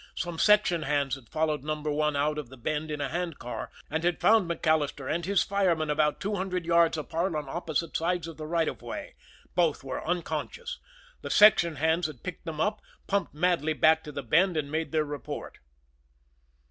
Some section hands had followed Number One out of the Bend in a handcar, and had found MacAllister and his fireman about two hundred yards apart on opposite sides of the right of way. Both were unconscious. The section hands had picked them up, pumped madly back to the Bend, and made their report.